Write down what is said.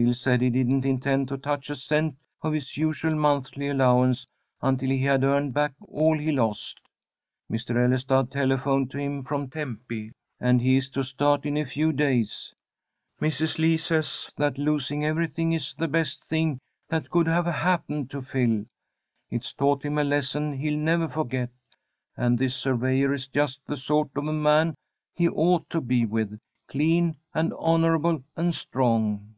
Phil said he didn't intend to touch a cent of his usual monthly allowance until he had earned back all he lost. Mr. Ellestad telephoned to him from Tempe, and he is to start in a few days. Mrs. Lee says that losing everything is the best thing that could have happened to Phil. It's taught him a lesson he'll never forget; and this surveyor is just the sort of a man he ought to be with, clean, and honourable, and strong."